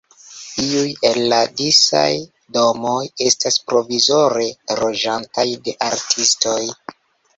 Iuj el la disaj domoj estas provizore loĝataj de artistoj.